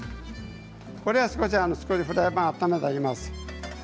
これは少しフライパンを温めてあります。